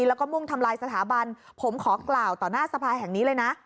แล้วก็มุ่งทำลายสถาบันผมขอกล่าวต่อหน้าสภาแห่งนี้เลยนะ